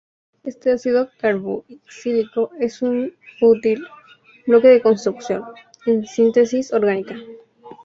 Este ácido carboxílico es un útil "bloque de construcción" en síntesis orgánica.